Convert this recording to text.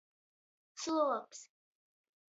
Sluobs.